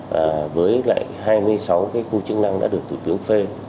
với lại hai mươi sáu khu chức năng đã được thủ tướng phê